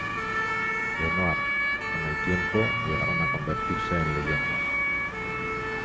Lenoir, con el tiempo llegaron a convertirse en leyendas.